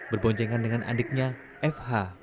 berboncengan dengan adiknya fh